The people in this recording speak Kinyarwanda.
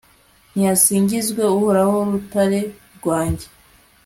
nihasingizwe uhoraho, rutare rwanjye